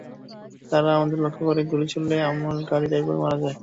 তারা আমাদের লক্ষ্য করে গুলি ছুড়লে আমার গাড়ির ড্রাইভার মারা যায়।